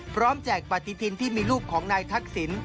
พร้อมแจกปฏิฐินที่มีรูปของนายทักศิลป์